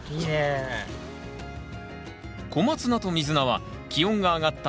コマツナとミズナは気温が上がった